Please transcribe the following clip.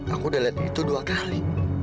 aku udah lihat itu dua kali